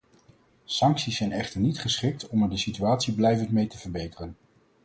Sancties zijn echter niet geschikt om er de situatie blijvend mee te verbeteren.